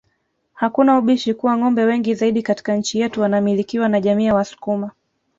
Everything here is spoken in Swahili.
Hakuna ubishi kuwa ngombe wengi zaidi katika nchi yetu wanamilikiwa na jamii ya wasukuma